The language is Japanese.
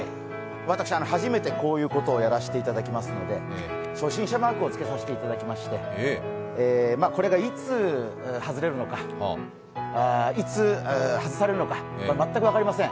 私、初めてこういうことをやらせていただきますので初心者マークをつけさせていただきまして、これがいつ外れるのかいつ外されるのか、全く分かりません。